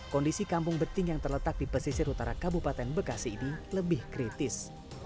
kondisi kampung beting yang terletak di pesisir utara kabupaten bekasi ini lebih kritis